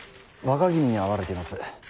若君に会われています。